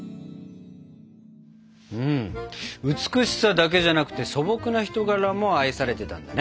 美しさだけじゃなくて素朴な人柄も愛されてたんだね。